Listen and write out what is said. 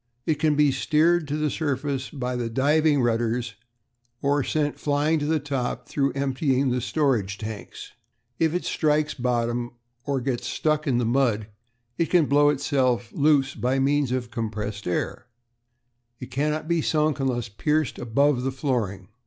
"It can be steered to the surface by the diving rudders, or sent flying to the top through emptying the storage tanks. If it strikes bottom, or gets stuck in the mud, it can blow itself loose by means of its compressed air. It cannot be sunk unless pierced above the flooring.